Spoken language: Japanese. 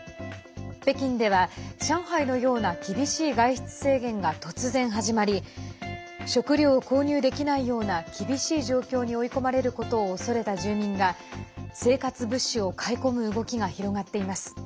北京では上海のような厳しい外出制限が突然、始まり食料を購入できないような厳しい状況に追い込まれることを恐れた住民が生活物資を買い込む動きが広がっています。